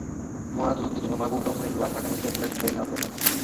ময়নাতদন্তের জন্য মাহবুবুর রহমানের লাশ ঢাকা মেডিকেল কলেজ হাসপাতালে নেওয়ার কথা।